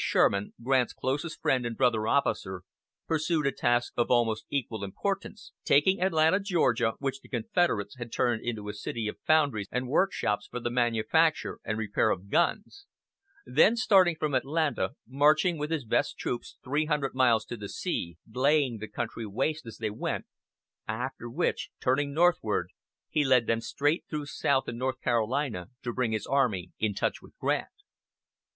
Sherman, Grant's closest friend and brother officer, pursued a task of almost equal importance, taking Atlanta, Georgia, which the Confederates had turned into a city of foundries and workshops for the manufacture and repair of guns; then, starting from Atlanta, marching with his best troops three hundred miles to the sea, laying the country waste as they went; after which, turning northward, he led them through South and North Carolina to bring his army in touch with Grant.